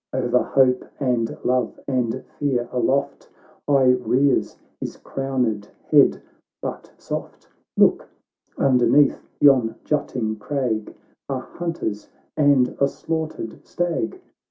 O'er hope and love and fear aloft High rears his crowned head — But soft ! Look, underneath yon jutting crag Are hunters and a slaughtered stag.